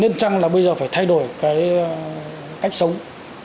nên chăng là bây giờ phải thay đổi cái cách sống